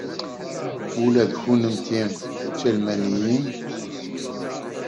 Ula d kennemti d Talmaniyin?